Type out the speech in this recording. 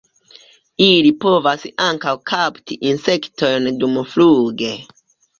Ili povas ankaŭ kapti insektojn dumfluge.